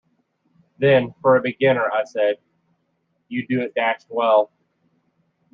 'Then, for a beginner,' I said, 'you do it dashed well.'